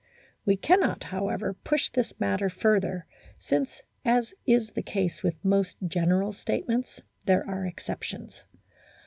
We cannot, however, push this matter further, since, as is the case with most general state ments, there are exceptions.